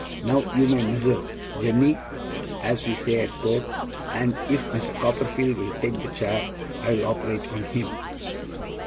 'Now you may mizzle, jemmy (as we say at Court), and if Mr. Copperfield will take the chair I'll operate on him.